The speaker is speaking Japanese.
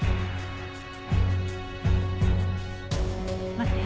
待って。